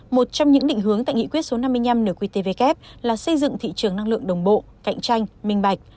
một trong những định hướng tại nghị quyết số năm mươi năm nqtvk là xây dựng thị trường năng lượng đồng bộ cạnh tranh minh bạch